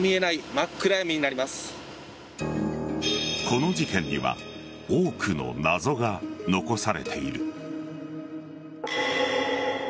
この事件には多くの謎が残されている。